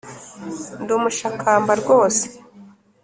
ndi umushakamba rwose!